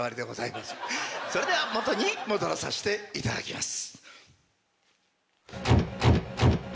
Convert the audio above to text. それでは元に戻らさせていただきます。